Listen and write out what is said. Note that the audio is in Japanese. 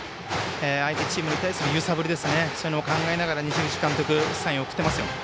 相手チームに対する揺さぶりそういうのを考えながら西口監督サインを送っていますよ。